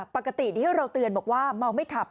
ปกติที่เราเตือนบอกว่าเมาไม่ขับ